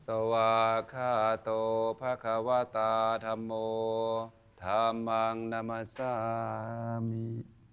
สวาคาโตพระควตาธรรมโมธรรมังนามสามิ